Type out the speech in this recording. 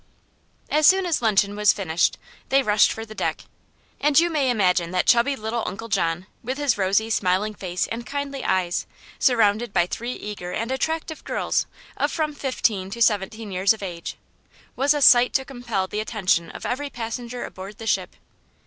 As soon as luncheon was finished they rushed for the deck, and you may imagine that chubby little Uncle John, with his rosy, smiling face and kindly eyes, surrounded by three eager and attractive girls of from fifteen to seventeen years of age, was a sight to compel the attention of every passenger aboard the ship.